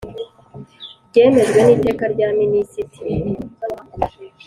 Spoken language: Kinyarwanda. ryemejwe n’iteka rya Minisitiri.